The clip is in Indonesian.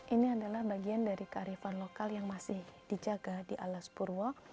ini adalah bagian dari kearifan lokal yang masih dijaga di alas purwo